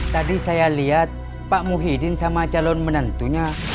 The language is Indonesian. tadi saya lihat pak muhyiddin sama calon menentunya